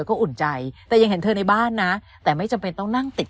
ก็อุ่นใจแต่ยังเห็นเธอในบ้านนะแต่ไม่จำเป็นต้องนั่งติด